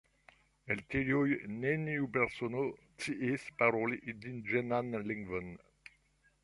El tiuj neniu persono sciis paroli indiĝenan lingvon.